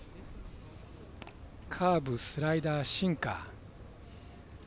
カーブ、スライダー、シンカー。